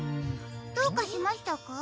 どうかしましたか？